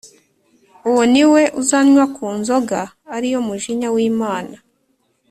uwo ni we uzanywa ku nzoga ari yo mujinya w’Imana,